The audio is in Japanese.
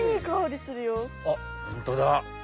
あっホントだ！